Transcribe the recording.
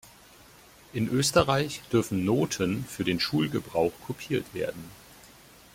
In Österreich dürfen Noten für den Schulgebrauch kopiert werden.